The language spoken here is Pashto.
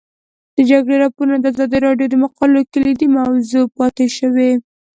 د جګړې راپورونه د ازادي راډیو د مقالو کلیدي موضوع پاتې شوی.